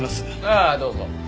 ああどうぞ。